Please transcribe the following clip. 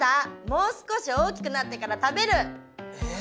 もう少し大きくなってから食べる！え？